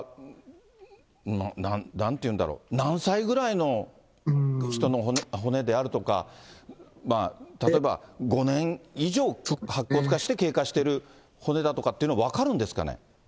ですから、なんて言うんだろう、何歳ぐらいの人の骨であるとか、例えば５年以上、白骨化して経過している骨だとかっていうの、分かるんですかね。